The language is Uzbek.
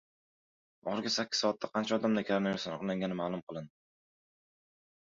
Oxirgi sakkiz soatda qancha odamda koronavirus aniqlangani ma’lum qilindi